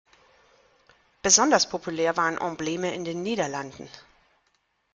Besonders populär waren Embleme in den Niederlanden.